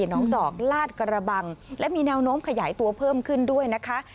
น้องจอกลาดกระบังและมีแนวโน้มขยายตัวเพิ่มขึ้นด้วยนะคะ